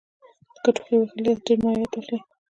که ټوخي وهلي یاست ډېر مایعت واخلئ